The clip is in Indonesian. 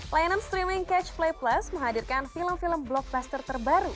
layanan streaming catch play plus menghadirkan film film blockbuster terbaru